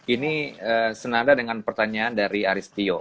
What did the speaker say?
ini senada dengan pertanyaan dari aris tio